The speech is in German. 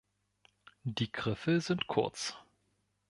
Die Griffel sind kurz.